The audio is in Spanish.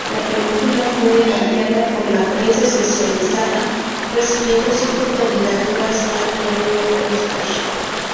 La película fue elogiada por la prensa especializada, recibiendo cinco candidaturas al Premios Óscar.